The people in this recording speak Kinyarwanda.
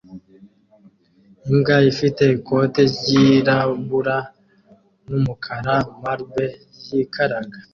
Imbwa ifite ikote ryirabura n'umukara marble yikaraga